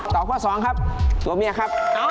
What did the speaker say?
ตอบข้อสองครับตัวเมียครับ